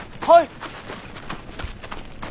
はい。